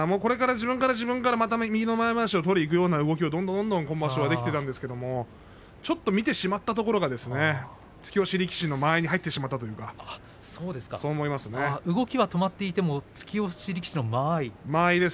自分から自分から右の前まわしを取りにいくような動きが出ていたんですけれどもちょっと見てしまったところが突き押し力士の間合いに入ってしまったというか動きが止まっていても突き押し力士の間合い。